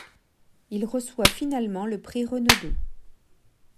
Il reçoit finalement le prix Renaudot.